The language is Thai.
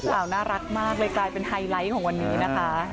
น่ารักมากเลยกลายเป็นไฮไลท์ของวันนี้นะคะ